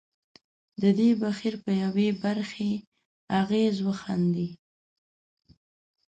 د دې بهیر پر یوې برخې اغېز وښندي.